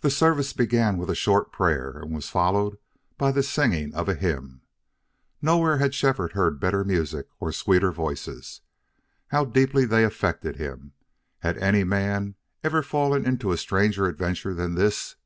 The service began with a short prayer and was followed by the singing of a hymn. Nowhere had Shefford heard better music or sweeter voices. How deeply they affected him! Had any man ever fallen into a stranger adventure than this?